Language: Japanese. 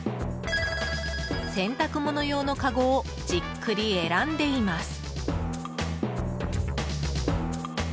洗濯物用のかごをじっくり選んでいます。